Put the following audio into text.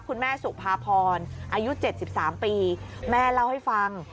คุณแม่สุภาพรอายุ๗๓ปีแม่เล่าให้ฟัง